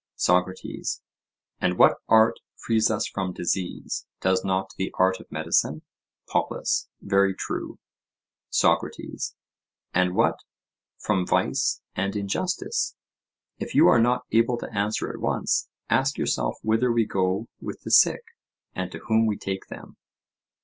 SOCRATES: And what art frees us from disease? Does not the art of medicine? POLUS: Very true. SOCRATES: And what from vice and injustice? If you are not able to answer at once, ask yourself whither we go with the sick, and to whom we take them.